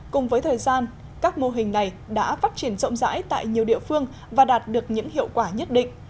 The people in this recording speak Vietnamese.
cùng với thời gian các mô hình này đã phát triển rộng rãi tại nhiều địa phương và đạt được những hiệu quả nhất định